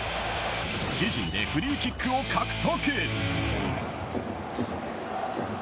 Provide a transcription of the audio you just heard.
自陣でフリーキックを獲得。